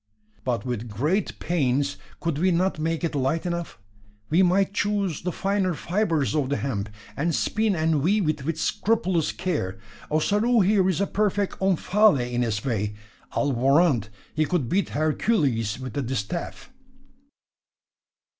"But, with great pains, could we not make it light enough? We might choose the finer fibres of the hemp; and spin and weave it with scrupulous care. Ossaroo here is a perfect Omphale in his way. I'll warrant he could beat Hercules with the distaff."